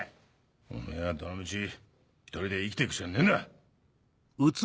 おめぇはどのみち１人で生きてくしかねえんだ。